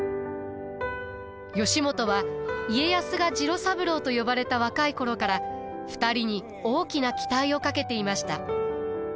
義元は家康が次郎三郎と呼ばれた若い頃から２人に大きな期待をかけていました。